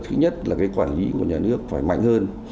thứ nhất là cái quản lý của nhà nước phải mạnh hơn